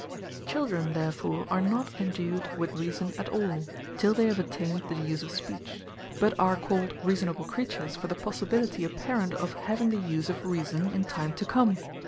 Children therefore are not endued with Reason at all, till they have attained the use of Speech: but are called Reasonable Creatures, for the possibility apparent of having the use of Reason in time to come.